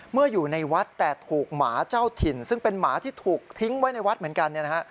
เมื่ออยู่ในวัดแต่ถูกหมาเจ้าถิ่นซึ่งเป็นหมาที่ถูกทิ้งไว้ในวัดเหมือนกัน